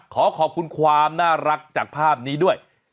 ขอขอบคุณความน่ารักจากภาพนี้ด้วย